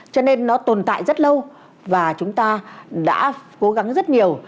cho nên nó tồn tại rất lâu và chúng ta đã cố gắng rất nhiều